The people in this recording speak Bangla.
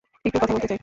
একটু কথা বলতে চাই।